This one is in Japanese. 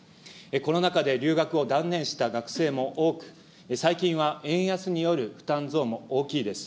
コロナ禍で留学を断念した学生も多く、最近は円安による負担増も大きいです。